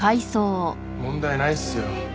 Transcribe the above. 問題ないっすよ。